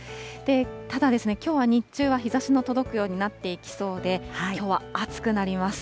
ただ、きょうは日中は日ざしの届くようになっていきそうで、きょうは暑くなります。